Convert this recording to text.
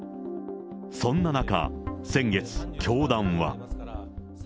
そんな中、先月、教団は。